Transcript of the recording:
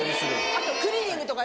あとクリーニングとかね。